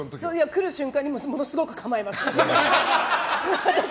来る瞬間にものすごく構えます。